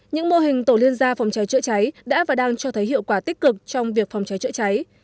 những mô hình tổ liên gia phòng cháy chữa cháy đã và đang cho thấy hiệu quả tích cực trong việc phòng cháy chữa cháy